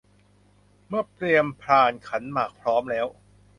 เมื่อเตรียมพานขันหมากพร้อมแล้ว